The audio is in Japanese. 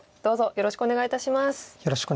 よろしくお願いします。